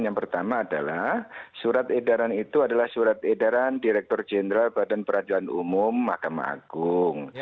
yang pertama adalah surat edaran itu adalah surat edaran direktur jenderal badan peradilan umum mahkamah agung